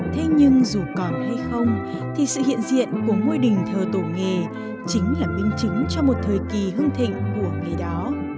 thế nhưng dù còn hay không thì sự hiện diện của ngôi đình thờ tổ nghề chính là minh chứng cho một thời kỳ hưng thịnh của nghề đó